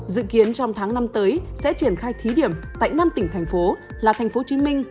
dự kiến trong tháng năm tới sẽ triển khai thí điểm tại năm tỉnh thành phố là thành phố hồ chí minh